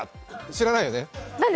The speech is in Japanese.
知らないよね？